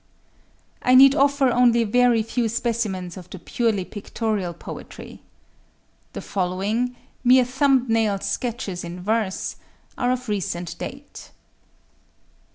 I need offer only a very few specimens of the purely pictorial poetry. The following—mere thumb nail sketches in verse—are of recent date.